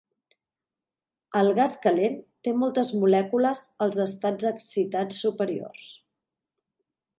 El gas calent té moltes molècules als estats excitats superiors.